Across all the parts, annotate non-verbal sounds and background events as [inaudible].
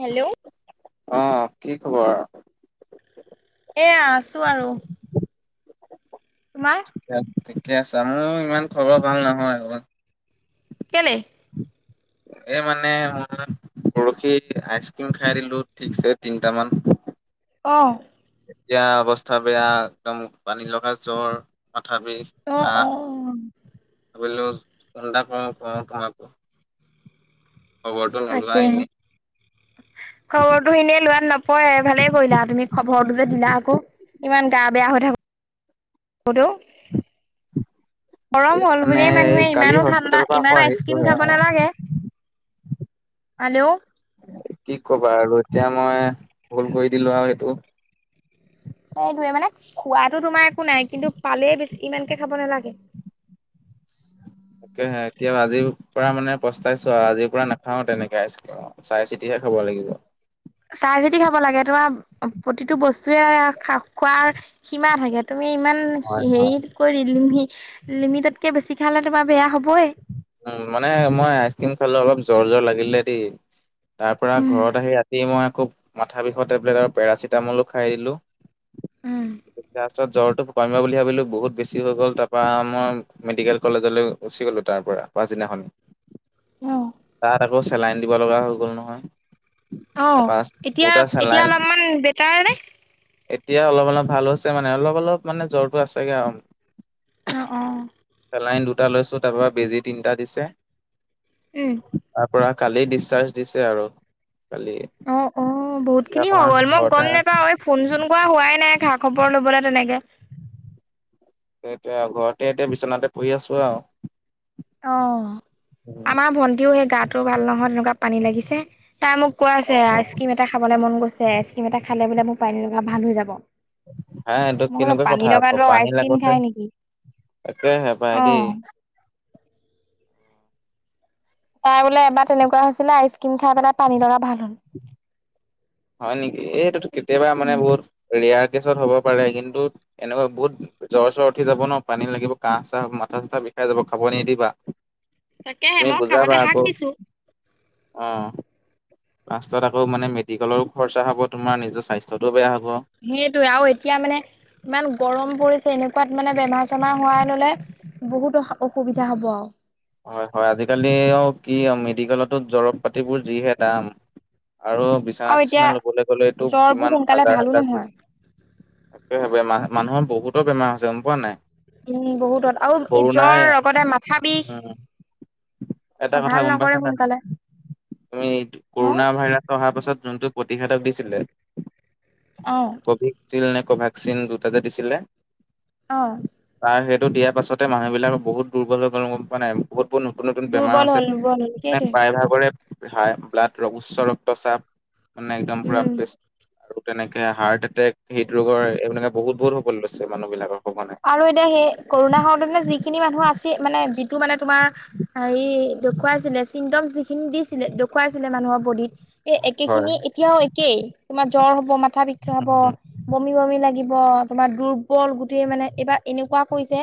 Hello. আহ কি খবৰ। এয়া আছো আৰু। তোমাৰ। ঠিকে আছা মোৰ ইমান খবৰ ভাল নহয় অকমান। কেলে এই মানে পৰহি আইচক্ৰীম খাই দিলো ঠিকছে তিনটামান। অ এতিয়া অৱস্থা বেয়া একদম পানী লগা জ্বৰ। তথাপি অ অ আহ ভাবিলো ফোন এটা কৰো কৰো তোমাকো খবৰটো নলোৱা তাকে এনেই খবৰটো এনেই লোৱাত নপৰে ভালেই কৰিলা তুমি খবৰটো যে দিলা আকৌ। ইমান গা বেয়া হৈ থাকো। হদো গৰম হ'ল মানে বুলিয়েই এই মানুহে কালি ইমানো ঠাণ্ডা হস্পিতেলৰ পৰা আকৌ ইমান আইচক্ৰীম আহিছোহে খাব অ নালাগে। [inaudible] হেল্ল' কি কবা আৰু এতিয়া মই ভুল কৰি দিলোঁ আৰু সেইটো। এই ধৰে মানে খোৱাতো তোমাৰ একো নাই কিন্তু পালে বেছি ইমানকে খাব নালাগে। [inaudible] তে এতিয়া আজিৰ পৰা মানে পস্তাইছো আৰু আজিৰ পৰা নাখাও তেনেকে চাই চিতিহে খাব লাগে। [inaudible] চাই চিতি খাব লাগে তোমাৰ প্ৰতিটো বস্তুৱে খ খোৱাৰ সীমা থাকে। তুমি ইমান হয় হয় হেৰি কৰি লিমিটতকে বেছি খালে তোমাৰ বেয়া হ'বই। উ মানে মই আইচক্ৰীম খালো অলপ জ্বৰ জৰ লাগিলে দেই। তাৰ পৰা উম ঘৰত আহি ৰাতি মই খুব মাথা বিষৰ টেবলেট আৰু পেৰাচিটামলো খাই দিলোঁ। উম তাৰপিছত জ্বৰটো। কমিব বুলি ভাবিলোঁ বহুত বেছি হৈ গ'ল তাৰপৰা আ মই মেডিকেল কলেজলৈ গুচি গ'লোঁ তাৰপৰা। পাছদিনাখন, তাত আকৌ চেলাইন দিব লগা হৈ গ'ল নহয়। অ তাৰপা এতিয়া দুটা এতিয়া চেলাইন অলপমান বেটাৰ নে। এতিয়া অলপ অলপ ভাল হৈছে মানে অলপ অলপ মানে জ্বৰটো আছেগে আৰু। অ অ চেলাইন দুটা লৈছো তাৰ পৰা বেজি তিনটা দিছে উম পৰা কালি ডিচাৰ্জ দিছে আৰু কালি। অ অ বহুত এতিয়া খিনি হৈ অকমান গ'ল মই ঘৰতে গম নাপাওঁ ঐ ফোন চোন কৰা হোৱাই নাই খা খবৰ লবলে তেনেকে। সেইটো আৰু ঘৰতে এতিয়া বিচনাতে পৰি আছো আৰু। অ উম, আমাৰ ভন্টিও সেই গাটোও ভাল নহয় তেনেকুৱা পানী লাগিছে। তাই মোক কোৱা আছে অ', আইচ ক্ৰীম এটা খাবলৈ মন গৈছে আইচ ক্ৰীম এটা খালে বোলে মোৰ পানীলগা ভাল হৈ যাব। হা এইটো মই কলো কেনেকুৱা পানীৰ লগাটোৰ আইচ ক্ৰীম খাই নেকি। তাকে সপাই অ দেই। তাৰ বোলে এবাৰ তেনেকুৱা হৈছিলে আইচ ক্ৰীম খাই পেলাই পানী লগা ভাল। হ'ল। হয় নেকি এইটো কেতিয়াবা মানে উম বহুত হেৰি এয়াৰ কেছত হ'ব পাৰে কিন্তু এনেকুৱা বহুত জ্বৰ চ্বৰ উঠি যাব ন পানী লাগিব কাহ চাহ মাথা। বিষাই যাব খাব নিদিবা তাকেহে তুমি মই খাবলৈ বুজাবা হাক আকৌ। দিছো অ পাষ্টত আকৌ মানে মেডিকেলৰো খৰচা হ'ব তোমাৰ নিজৰ স্বাস্থ্যটোও বেয়া হ। সেইটোয়ে আৰু এতিয়া মানে ইমান গৰম পৰিছে এনেকুৱাত মানে বেমাৰ চেমাৰ হোৱাই ললে বহুত অ অসুবিধা হ'ব হয় হয় আজিকালি অ কি মেডিকেলতো দৰৱ পাতিবোৰ যিহে দাম। আৰু বিচনা আৰু এতিয়া চিচনা লবলৈ গলে টো জ্বৰবোৰ কিমান সোনকালে হাজাৰ ভালো হাজাৰ কৰি নহয়। তাকে বেমা মানুহৰ বহুতো বেমাৰ হৈছে গম পোৱা নাই। উম বহুত আৰু কৰোণাই জ্বৰ লগতে মাথা বিষ। উম, এটা অ কথা ভাল গম নকৰে পাইছা না ত সোনকালে। তুমি অ কৰোণা ভাইৰাছ। অ পাছত যোনটোক প্ৰতিষেধক দিছিলে। অ ক ভোক্সিন দুটাতে দিছিলে। অ। তাৰ সেইটো দিয়াৰ পাছতে মানুহ বিলাক বহুত দুৰ্বল হৈ গল গম পোৱা নাই। বহুত নতুন নতুন বেমাৰ দুৰ্বল আছে হ'ল দুৰ্বল হ'ল সেইটোৱে প্ৰায়ভাগৰে। হাই ব্লড ৰঘুচ্চ ৰক্তচাপ মানে একদম পুৰা। উম। আৰু তেনেকে হাৰ্ট এটেক হৃদ ৰোগৰ এইবিলাকে বহুত বহুত হবলৈ লৈছে মানুহ বিলাকৰ। সঘনাই। আৰু এতিয়া সেই কৰোণা হতে যিখিনি মানুহ আছি মানে। টো মানে তোমাৰ হেৰি দেখুৱাইছিলে ছিংডম যিখিনি দিছিলে দেখুৱাইছিলে মানুহৰ বডীত। এই একে হয়। খিনি এতিয়াও একেই তোমাৰ জ্বৰ হব মাথা বিষ হব উম, বমি বমি লাগিব। তোমাৰ দুৰ্বল গোটেই মানে। এইবাৰ এনেকুৱা কৈছে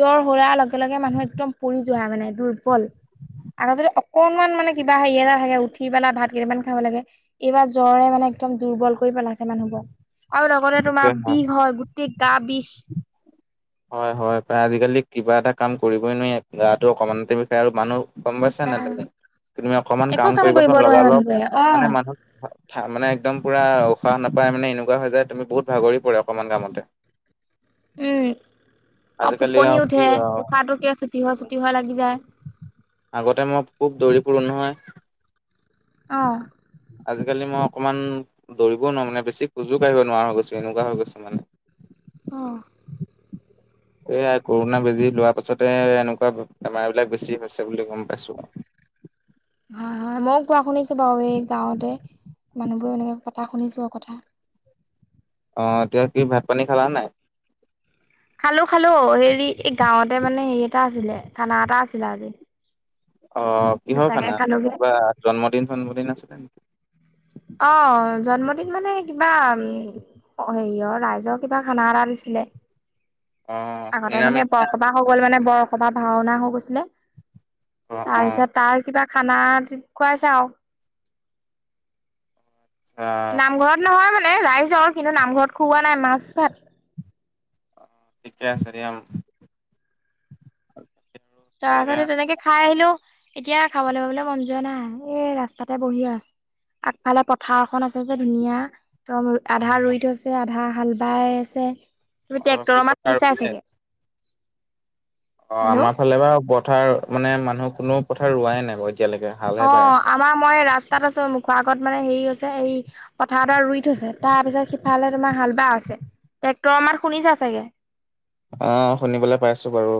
জ্বৰ সৰাৰ লগে লগে মানুহ একদম পৰি যোৱা মানে দুৰ্বল। আগতে অকনমান মানে কিবা হেৰি এটা থাকে উঠি পেলা ভাত কেইটামান খাব লাগে এইবাৰ জ্বৰে মানে। একদম দুৰ্বল কৰি পেলাইছে মানুহবোৰ আৰু লগতে তোমাৰ তাকেহে বিষ হয় গোটেই গা বিষ। হয় হয় প্ৰায় আজিকালি কিবা এটা কাম কৰিবই নোৱাৰি গাতো অকমানতে বিষায় আৰু মানুহ। গম পাইছা বিষা নাই তুমি অকমান একো কাম কৰিব কৰিবাচোন নোৱাৰে লগাল লগ মানুহবোৰে মানে অ'। মানুহ। মানে একদম পূৰা উশাহ নাপাই মানে এনেকুৱা হৈ যায় তুমি বহুত ভাগৰি পৰে অকণমান কামতে। উম, আৰু আজিকালি ফটোপনি কি উঠে আৰু উোশাহটো কিয় চুটি হৈ চুটি হৈ লাগি যায়। আগতে মই খুব দৌৰি ফুৰো নহয়। অ', আজিকালি মই অকণমান দৌৰিবও নোৱাৰো মানে বেছি খোজো কাঢ়িব নোৱাৰা হৈ গৈছো এনেকুৱা হৈ গৈছো মানে। অঁ এই কৰোণা বেজি লোৱা পাছতে এনেকুৱা বেমাৰ বিলাক বেছি হৈছে বুলি গম পাইছো। [inaudible] হয় হয় মোক কোৱা শুনিছে বু এই গাঁৱতে মানুহবোৰ এনেকে পতা শুনিছো আৰু কথা অ এয়া কি ভাত পানী খালা নাই। খালো খালো হেৰি এই গাঁৱতে মানে হেৰি এটা আছিলে কানা এটা আছিলে আজি। অ কিহৰ তাকে খানা খালোগে কিবা জন্মদিন জন্মদিন আছিলে নেকি? অ জন্মদিন মানে কিবা উ হেৰিয়ৰ ৰাইজৰ কিবা খানা এডটা দিছিলে। [inaudible] আগতে এনেকে নিৰামিষ নে বৰসবাহ হৈ গ'ল মানে বৰসবা ভাওনা হৈ গৈছিলে অ অ তাৰপিছত তাৰ কিবা খানা খুৱাইছা আচ্ছা নামঘৰত নহয় মানে ৰাইজৰ কিন্তু নামঘৰত খুওৱা নাই মাছ ভাত। শিকাই আছোঁ দিয়া। ত আচাৰে তেনেকে খাই আহিলো। এতিয়া খাবলৈ পাবলৈ মন যোৱা নাই এই ৰাস্তাতে বহি। আগফালে পথাৰখন আছে যে ধুনীয়া একদম আধা ই থ আছে আধা হাল বাই আছে। তি অ কি টেক্টৰ আমাৰ পথাৰ পিছাই ৰুলে? চাগে। অ হেল্ল' আমাৰ ফালে বাৰু পথাৰ মানে মানুহ কোনো পথাৰ ৰোৱাই নাই ব। অ আমাৰ মই ৰাস্তাত আছো মুখা। আত মানে হেৰি হৈছে এই পথাৰত ৰুই থৈছে তাৰ পিছত সিফালে তোমাৰ হাল বা আছে। ট্ৰেক্টৰ মাত শুনিছা চাগে। আহ শুনিবলৈ পাইছো বাৰু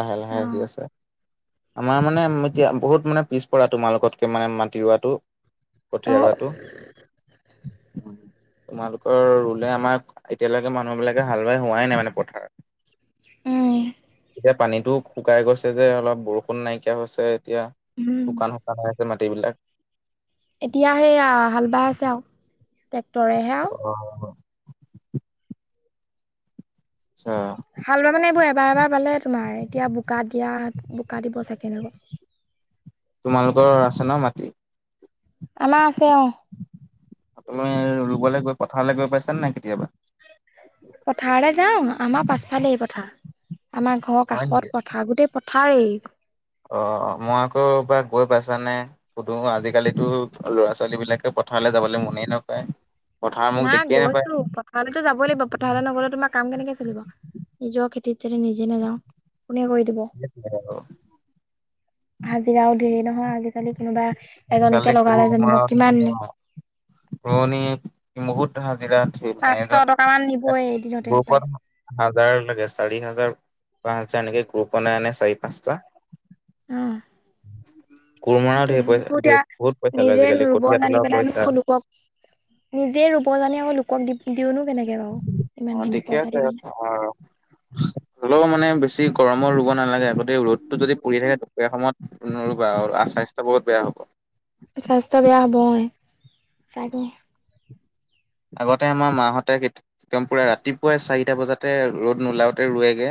লাহে লাহে অ আহি আছে। আমাৰ মানে এতিয়া বহুত মানে পিছ পৰা তোমাৰ লগতকে মানে মাতি ৰোৱাটো। অ কঠীয়াৰোৱাটো। উ তোমালোকৰ ৰুলে আমাৰ এতিয়ালৈকে মানুহ বিলাকে হাল বাই হোৱাই নাই মানে পথাৰত উম এতিয়া পানীতো শুকাই গৈছে যে অলপ বৰষুণ নাইকিয়া হৈছে এতিয়া উম শুকান শুকান হৈ আছে মাটিবিলাক এতিয়া সেইয়া হাল বাই আছে আৰু টেক্টৰেহে আও অ', আচ্ছা হাল ব মানে এইবোৰ এবাৰ এবাৰ পালে তোমাৰ এতিয়া বোকা দিয়া বোকা দিব চাকে চাগে ৰুব তোমালোকৰ আছে ন মাটি আমা আছে অ তুমি ৰুবলৈ গৈ পথাৰলৈ গৈ পাইছানে নাই কেতিয়াবা পথাৰলৈ যাওঁ আমাৰ পাছফালে এই পথাৰ আমাৰ ঘৰৰ হয় নেকি কাষত পথাৰ গোটেই পথাৰেই অ মই আকৌ বা গৈ পাইছানে সুধো আজিকালিটো ল'ৰা ছোৱালী বিলাকে পথাৰলৈ যাবলৈ মনেই নকয় নাই গৈছো পথাৰলৈতো যাবই লাগিব পথাৰলৈ নগলে তোমাৰ কাম কেনেকে চলিব নিজৰ খেতিত যদি নিজে নাযাওঁ কোনে কৰি দিব হাজিৰাও দেৰি নহয় আজিকালি কোনোবা আজিকালি এজনীকে সৰু লগালে যেনিবা সময়ত কিমান পুৰণি বহুত হাজিৰা পাঁচশ টকা মান নিবই এদিনতে সপায় হাজাৰ লাগে চাৰি হাজাৰ পাঁচ হাজাৰ এনেকে গ্ৰুপ নাই আনে চাৰি পাঁচটা অ [unintelligible] কোৰমৰাওঁ সেইটোয়ে ৰ সেইবোৰ পইচা এতিয়া বহুত পইচা লয় আজিকালি কঠিয়া তোলাও পইচা লক নিজে ৰুব জানে আকৌ লোক দি দিয়োনো অ ঠিকে আছে অ হলেও মানে বেছি গৰমৰ ৰুব নালাগে আগতে ৰ'দটো যদি পৰি থাকে দুপৰীয়া সময়তা স্বাস্থ্য বহুত বেয়া হ'ব। স্বাস্থ্য বেয়া হ'বই চাগে আগতে আমাৰ মাহঁতে একম পুৰা ৰাতিপুৱাই চাৰিটা বজাতে ৰ'দ নোলাওতে ৰোৱেগে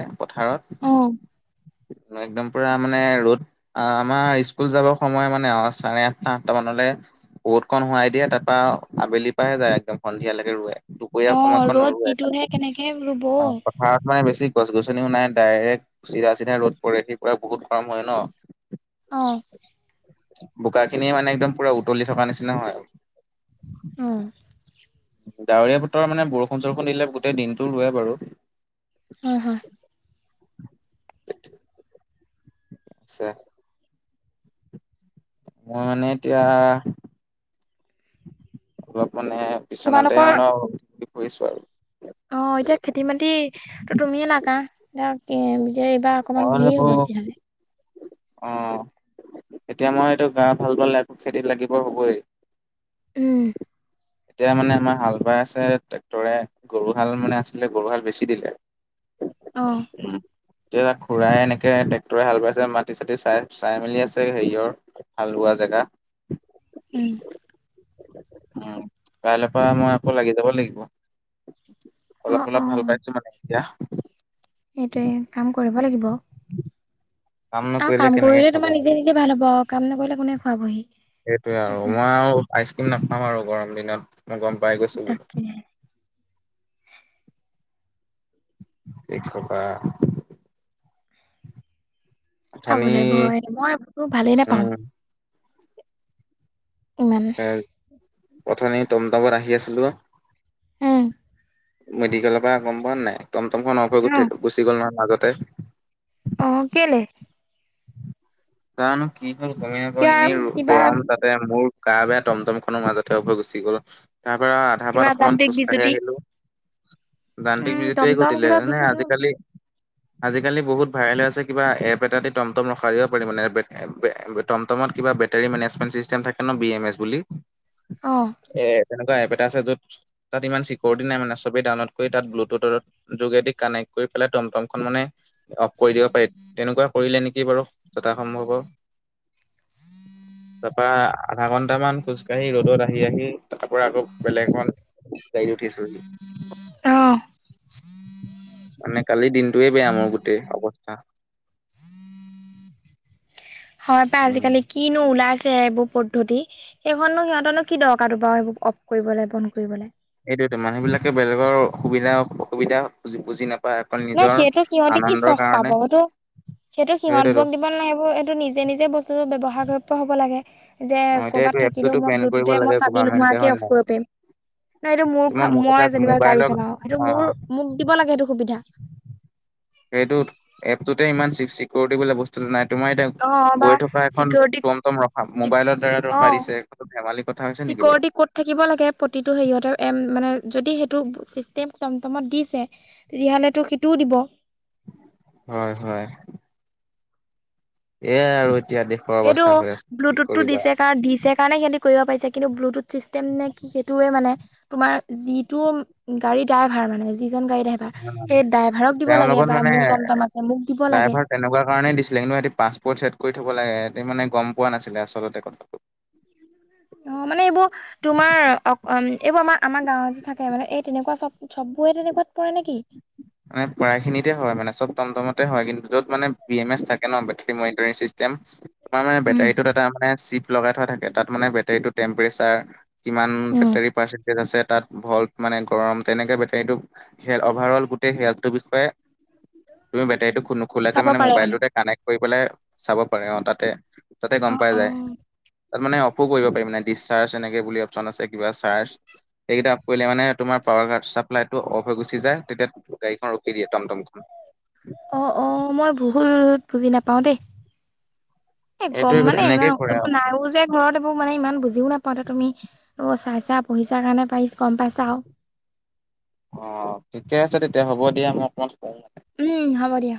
অ পথাৰত এক্দম পুৰা মানে ৰ'দ অ আমাৰ স্কুল যাবৰ সময় মানে অ চাৰে আঠটা আঠটা মানলৈ বত খন সোৱাই দিয়ে তাৰ পৰা আবেলি পা সে যায় একদম সন্ধিয়ালৈকে ৰোৱে দুপৰীয়া অ সময়কণ ৰ'দ নৰোৱে যিটোহে কেনেকে ৰুব অ পথাৰত মানে বেছি গছ গছনিও নাই ডাইৰেক্ট চিধা চিধা ৰ'দ পৰে সি পুৰা বহুত গৰম হয় ন অ বোকা খিনি মানে একদম পুৰা উতলি থকা নিচিনা হয় উম ডাৱৰীয়া বতৰ মানে বৰষুণ চৰষুণ দিলে গোটেই দিনটো ৰোৱে বাৰু হয় হয় [unintelligible] আছে ম মানে এতিয়া অলপ মানে বিচনাতে তোমালোকৰ মানে ঠিক কৰিছো আৰু অ এতিয়া খেতি বাতি তো তুমিয়ে নাকা এ তেতিয়া এইবাৰ অকমান মই হেৰি আকৌ হ'ব তেতিয়াহ'লে অ এতিয়া মই এইটো গা ভাল পালে আক খেতিত লাগিব হ'বই উম এতিয়া মানে আমাৰ হাল বাই আছে ট্ৰেক্টৰে গৰু হাল মানে আছিলে গৰু হাল বেছি দিলে অহ এতিয়া খুড়াই এনেকে ট্ৰেক্টৰে হাল বাইছে মাটি চাটি চাই চাই মেলি আছে হেৰিয়ৰ হালবোৱা জেগা [inaudible] উম উ কাইলে পা মই আকৌ লাগি যাব লাগিব অ অলপ অলপ ভাল পাইছো মানে এতিয়া- এইেইটোৱে কাম কৰিব লাগিব। আৰু নকৰিলে কাম কেনেকে কৰিলে খাবা তোমাৰ নিজে আৰু নিজে ভাল হব কাম নকৰিলে কোনে খুৱাবহি-। সেইটোৱে আৰু মই আৰু আইচ ক্ৰীম নাখাম আৰু গৰম দিনত, -। মই গম পাই গৈছো তাকে বোলো। [unintelligible] কি কবা খাব অথনি লাগিব মই একো ভালেই নোপাওঁ। উম এ অথনি টমটমত আহি আছিলো। হম মেডিকেলৰ পৰা গম পোৱা নাই টম টমখন অ', হৈঠ গুচি গ'ল ন মাজতে অ কেলে জানো কি হ'ল গমেই নাপাওঁ কিয় এনেই কিবা গৰম তাতে মোৰ গা বেয়া টমটম খনৰ মাজতে উভয় গুচি গল তাৰ পৰা আধা পাত কিবা অকনমান যান্ত্ৰিক খোজ কাঢ়ি বিজুতি। আহিলো। যান্ত্ৰিক উম, বিজটয়ে টমটম ঘটিলে কিবা এনে বিজুতি হ'ল। আজিকালি আজিকালি বহুত- ভাইৰেল হৈ আছে কিবা এপ এটা দি ৰন্ধা টমটম ৰখাই যে কৰিলে মানে টম টমত কিবা বেটেৰী মেনেজমেণ্ট চিষ্টেম থাকে ন বিএম এছ বুলি। অ'। এ কিবা এপ এটা আছে য'ত তাত ইমান চিকিৰিটি নাই মানে চবে ডাউনলোড কৰি তাত ব্লটুথৰ যোগেদি কানেক্ট কৰি পেলাই টমটম খন মানে অফ কৰি দিব পাৰি তেনেকোৱা কৰিলে নেকি বাৰু যথা সম্ভৱ- তাৰপৰা আধা ঘন্টামান খোজকাঢ়ি ৰ'দত আহি আহি। তাৰ পৰা আকৌ বেলেগ এখন গাড়ী উঠিছোহি। উম। [unintelligible] মানে কালিৰ দিনটোয়ে বেয়াামৰ গোটেই অৱস্থা। হয় পাই উম। আজিকালি কিনো ওলাইছে। এইবোৰ পদ্ধতি সেইখননো সিহঁত অলক কি দৰকাৰ তো বাৰু সেইবোৰ অফ কৰিবলৈ বন্ধ কৰিবলৈ। এইটোয়তো মানুহ বিলাকে বেলেগৰ সুবিধা অসুবিধা বুজি নাপায়। অকল নহ নিজৰ সেইহটো সিহঁতে কি আনন্দৰ চখ পাব কাৰণে এইতটো। সেইটো সিহঁত সেইটোৱেতো বক দিব নালাগিব এইেইটো নিজে নিজে বস্তুটো ব্যৱহাৰ কৰিব হ'ব লাগে-। যে অ' এতিয়া এইটো ক'ৰবাত থাকিলেও এপটোতো মই বেন কৰিব ব্লুটুথে লাগে মই চাবি গভাৰমেন্টে নোহোৱাকে হয় অফ নাই? কৰি পাৰিম। নহ এইটো তোমাৰ মোৰ এটা মই যেনিবা গাড়ী মোবাইলৰ চলাও সটো মোৰ অ' মোক দিব লাগে সটো সুবিধা-। সেইটোত এপটোতে ইমান চিকিউৰিটি বুলিো বস্তুটো নাই। তোমাৰ এতিয়া অ', বা গৈ থকা এখন চিকিউৰিটি টমটম ৰখা মোবাইলৰ দ্বাৰা অ', ৰখা দিছেো ধেমালি কথা হৈছে ন। চিকিউৰিটি ক'ত থাকিব লাগে প্ৰতিটো সেৰিহঁতে মানে-। যদি সেইটো চিষ্টেম টমটমত দিছে তেতিয়াহলেটো সেইটোও দিব। হয় হয়। এ আৰু। এতিয়া দেশৰ এইটো অৱস্থা হৈ আছে কি ব্লুটুথটো কৰিবা। দিছে কাৰ দিছে কাৰণে সিহতি কৰিব পাৰিছো। কিন্তু ব্লুটুথ চিষ্টেম নে কি সেইটোয়ে মানে। তোমাৰ যিটো গাড়ী ড্ৰাইভাৰ মানে যি-। গাড়ী ড্ৰাইভাৰ সেই ড্ৰাইভাৰক দিব তেওঁৰ লাগে লগত বা মানে মোৰ দমটম আছে মোক দিব লাগে। পাছপৰ্ চছেট কৰি থব লাগে মানে গম পোৱা নাছিলে আচলতে কথাটো। অ মানে এইবোৰ তোমাৰ অ এইবোৰ আমাৰ আমাৰ গাঁৱত যে থাকে মানে এই তেনেকুৱা চব চব। বয়ে তেনেকুৱাত পৰে নেকি। মানে পখিনিতে হয় মানে চতটমটমতে হয়। কিন্তু য'ত মানে বি এম এছ থাকে ন বেটী মনিটাৰিং চিষ্টেম। তাৰ মে উম। বেটীত এটা মে চিপ লগাই থোৱা থাকে তাত মানে বেটাৰী টেম্পচাৰ। কিমান উম, বেটাৰী পাইছে। তাত ভল্ট মানে গৰম তেনেকে বেটৰী অভাৰল গোটেই হেলৰ বিষয়ে-। তুমি বেটাৰীটো নোখোলাকে চাব মানে পাৰে মোবাইলটোতে কানেক্ট কৰি পেলাই চাব পাৰ অ তাতে তাতে গম অ', পোৱা যায় অ'। তাত মানে অফো কৰিব পাৰিম ন ডিচচাৰ্জ এনেকৈ বুলি অপশ্যন আছে কিবা চাৰ্জ সেইকেইটাফ কৰিলে মানে তোমাৰ পাৱাৰ চাপ্লাই টো অফ হৈ গুচি যায় তেতিয়া গাড়ীখন ৰখি দিয়ে টমটমখন অ অ মই ভহুত বুজি নাপাও দেই এ গম এইটোৱে মানে এনেকে ইমান কৰে এইবোৰ আৰু নাইও যে ঘৰত এইবোৰ মানে ইমান বুজিও নাপাওঁ তুমি চাইছা পঢ়িছা কাৰণে পাই ৰিছা।। অ ঠিকে আছে তেতিয়া হ'ব দিয়া মই অকমান। উম হব দিয়া।